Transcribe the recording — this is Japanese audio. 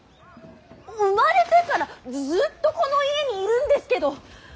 生まれてからずっとこの家にいるんですけど。